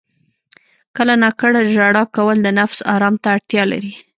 • کله ناکله ژړا کول د نفس آرام ته اړتیا لري.